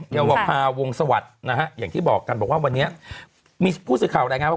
ยาวภาวงสวัสดิ์นะฮะอย่างที่บอกกันบอกว่าวันนี้มีผู้สื่อข่าวรายงานว่า